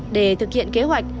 để thực hiện kế hoạch